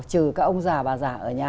trừ các ông già bà già ở nhà